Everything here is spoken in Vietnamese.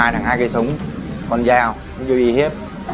hai thằng hai cây súng con dao nó vô uy hiếp